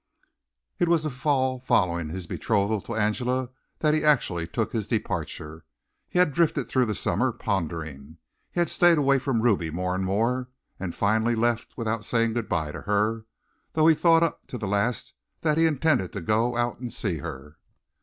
It was the fall following his betrothal to Angela that he actually took his departure. He had drifted through the summer, pondering. He had stayed away from Ruby more and more, and finally left without saying good bye to her, though he thought up to the last that he intended to go out and see her.